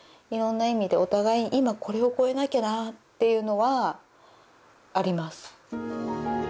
色んな意味でお互い今これを超えなきゃなっていうのはあります